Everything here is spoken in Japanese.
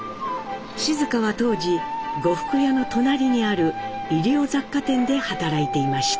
静香は当時呉服屋の隣にある衣料雑貨店で働いていました。